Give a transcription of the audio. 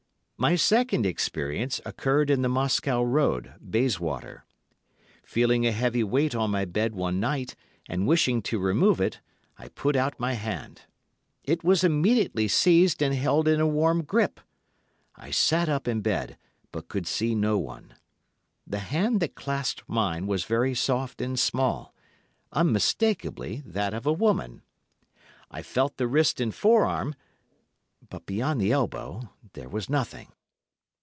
My second experience occurred in the Moscow Road, Bayswater. Feeling a heavy weight on my bed one night and wishing to remove it, I put out my hand. It was immediately seized and held in a warm grip. I sat up in bed, but could see no one. The hand that clasped mine was very soft and small—unmistakably that of a woman. I felt the wrist and forearm, but beyond the elbow there was nothing.